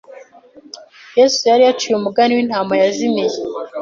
Yesu yari yaciye umugani w’intama yazimiye